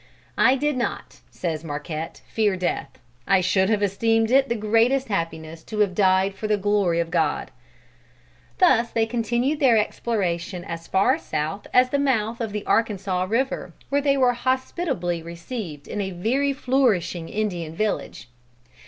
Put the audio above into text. "I did not," says Marquette, "fear death. I should have esteemed it the greatest happiness to have died for the glory of God." Thus they continued their exploration as far south as the mouth of the Arkansas river, where they were hospitably received in a very flourishing Indian village.